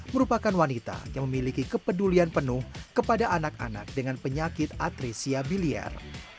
merupakan wanita yang memiliki kepedulian penuh kepada anak anak dengan penyakit atresia biliar